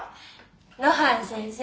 露伴先生。